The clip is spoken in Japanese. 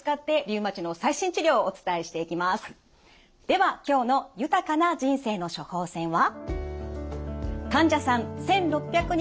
では今日の「豊かな人生の処方せん」は？